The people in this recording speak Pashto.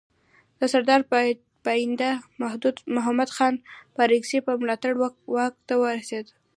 د سردار پاینده محمد خان بارکزي په ملاتړ واک ته ورسېد.